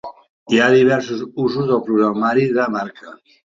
Hi ha diversos usos del programari de marca.